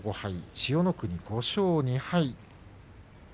千代の国５勝２敗。